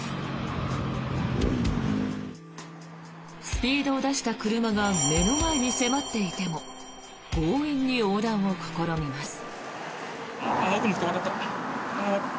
スピードを出した車が目の前に迫っていても強引に横断を試みます。